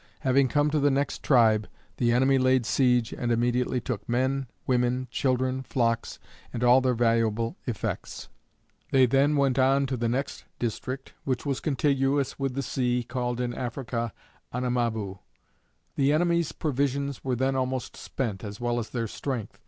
Having come to the next tribe, the enemy laid siege and immediately took men, women, children, flocks, and all their valuable effects. They then went on to the next district which was contiguous with the sea, called in Africa, Anamaboo. The enemies provisions were then almost spent, as well as their strength.